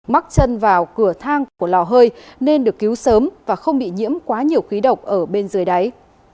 mắc chân vào cửa thang của lò hơi nên được cứu sớm và không bị nhiễm quá nhiều khí độc ở bên dưới đáy